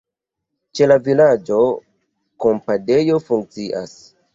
Ĉe la vilaĝo kampadejo funkcias.